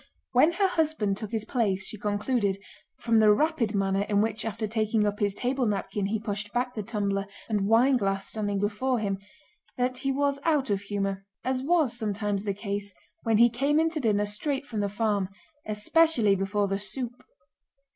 When her husband took his place she concluded, from the rapid manner in which after taking up his table napkin he pushed back the tumbler and wineglass standing before him, that he was out of humor, as was sometimes the case when he came in to dinner straight from the farm—especially before the soup.